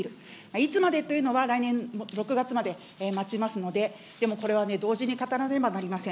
いつまでというのは、来年６月まで待ちますので、でもこれはね、同時に語らねばなりません。